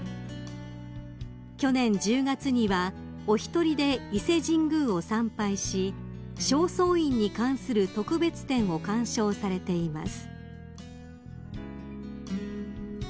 ［去年１０月にはお一人で伊勢神宮を参拝し正倉院に関する特別展を鑑賞されています］